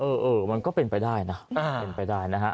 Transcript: เออมันก็เป็นไปได้นะเป็นไปได้นะฮะ